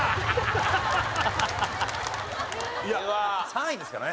３位ですからね。